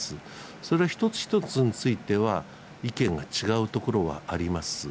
それ一つ一つについては、意見が違うところはあります。